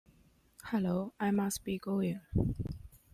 Hello, I Must Be Going!